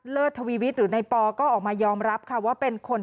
ไม่สามารถจะซื้อที่รายขายยาได้เลยนะครับ